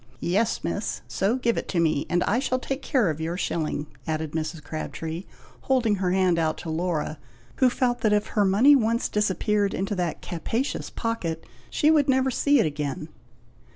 '" "Yes, Miss! so give it to me, and I shall take care of your shilling!" added Mrs. Crabtree, holding out her hand to Laura, who fell that if her money once disappeared into that capacious pocket, she would never see it again.